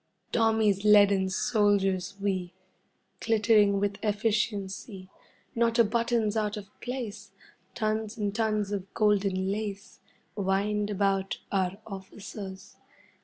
Tommy's leaden soldiers we, Glittering with efficiency. Not a button's out of place, Tons and tons of golden lace Wind about our officers.